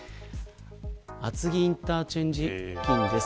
厚木インターチェンジ付近です。